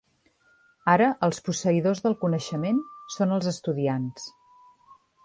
Ara, els posseïdors del coneixement són els estudiants.